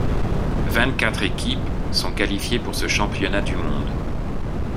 Vingt-quatre équipes sont qualifiées pour ce championnat du monde.